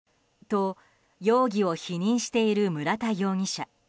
と、容疑を否認している村田容疑者。